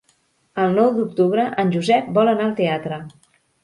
El nou d'octubre en Josep vol anar al teatre.